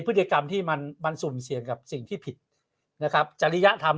พฤติกรรมที่มันมันสุ่มเสี่ยงกับสิ่งที่ผิดนะครับจริยธรรม